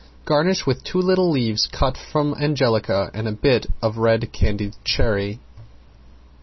Garnish with two little leaves cut from angelica and a bit of red candied cherry.